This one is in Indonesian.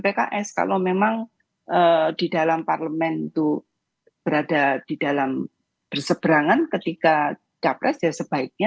pks kalau memang di dalam parlemen itu berada di dalam berseberangan ketika capres ya sebaiknya